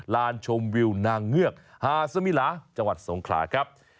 ลานชมวิวนางเงือกหาสมิลาจังหวัดสงขลาครับ